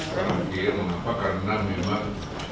terakhir mengapa karena memang